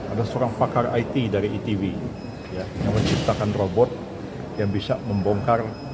ada seorang pakar it dari itb yang menciptakan robot yang bisa membongkar